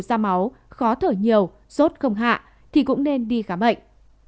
da máu khó thở nhiều sốt không hạ thì cũng nên đi khám bệnh